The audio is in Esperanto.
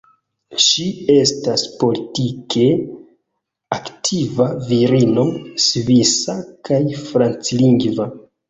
Ŝi estas politike aktiva virino svisa kaj franclingva.